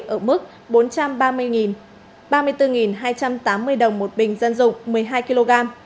ở mức bốn trăm ba mươi ba mươi bốn hai trăm tám mươi đồng một bình dân dụng một mươi hai kg